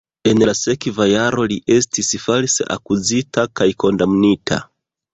En la sekva jaro li estis false akuzita kaj kondamnita.